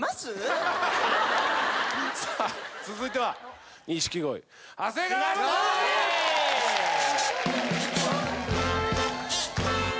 さあ続いては錦鯉長谷川雅紀。